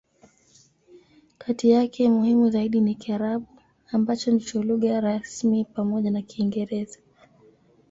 Kati yake, muhimu zaidi ni Kiarabu, ambacho ndicho lugha rasmi pamoja na Kiingereza.